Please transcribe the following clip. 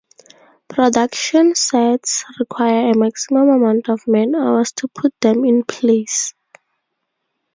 Production sets require a maximum amount of man hours to put them in place.